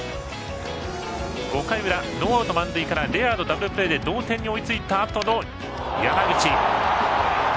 ５回裏、ノーアウト満塁からレアードダブルプレーで同点に追いついたあとの山口。